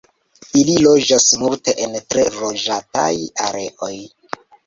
Ili loĝas multe en tre loĝataj areoj.